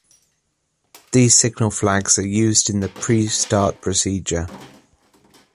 These signal flags are used in the pre-start procedure.